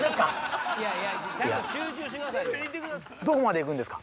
どこまで行くんですか？